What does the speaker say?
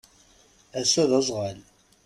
Ass-a d azɣal.